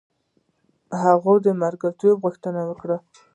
هغوی د ملګرتوب غوښتنه وکړه.